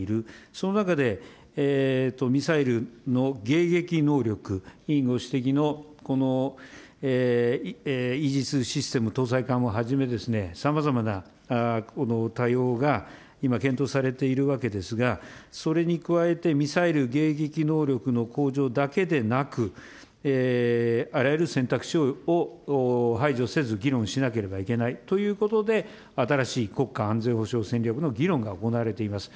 その中でミサイルの迎撃能力、委員ご指摘のこのイージスシステム搭載艦をはじめ、さまざまな対応が今、検討されているわけですが、それに加えて、ミサイル迎撃能力の向上だけでなく、あらゆる選択肢を排除せず、議論しなければいけないということで、新しい国家安全保障戦略の議論が行われています。